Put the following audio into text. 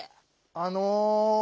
・あの。